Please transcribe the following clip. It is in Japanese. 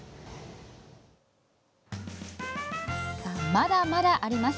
まだまだあります。